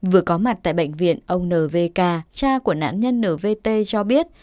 vừa có mặt tại bệnh viện ông nvk cha của nạn nhân nvt cho biết